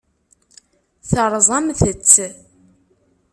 Terẓamt-tt.